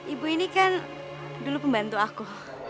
ibu ini kan dulu pembantu aku